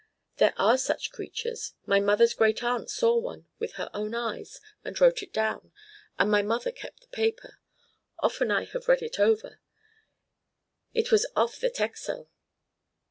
There are such creatures, my mother's great aunt saw one with her own eyes, and wrote it down, and my mother kept the paper. Often have I read it over. It was off the Texel."